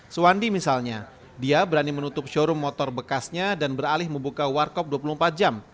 suwandi misalnya dia berani menutup showroom motor bekasnya dan beralih membuka warkop dua puluh empat jam